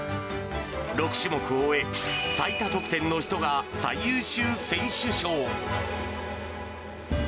６種目を終え、最多得点の人が最優秀選手賞。